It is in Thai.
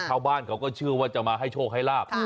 ชาวบ้านเขาก็เชื่อว่าจะมาให้โชคให้ลาบ